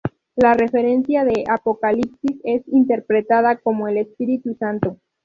La referencia de Apocalipsis es interpretada como el Espíritu Santo.